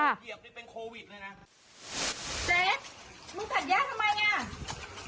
แจ๊ดมึงตัดหญ้าทำไมนี่